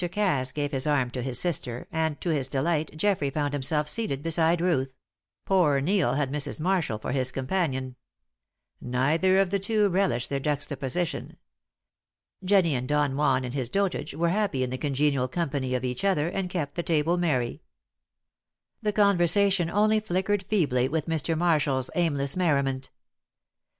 Cass gave his arm to his sister, and to his delight Geoffrey found himself seated beside Ruth; poor Neil had Mrs. Marshall for his companion. Neither of the two relished their juxtaposition. Jennie and Don Juan in his Dotage were happy in the congenial company of each other, and kept the table merry. The conversation only flickered feebly with Mr. Marshall's aimless merriment.